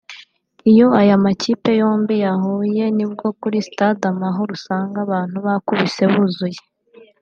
Iyo aya makipe yombi yahuye ni bwo kuri Stade amahoro usanga abantu bakubise buzuye